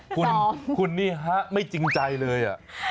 คุณนี่ฮะไม่จริงใจเลย